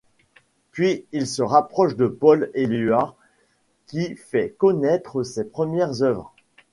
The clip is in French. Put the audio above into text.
Puis il se rapproche de Paul Éluard qui fait connaître ses premières œuvres.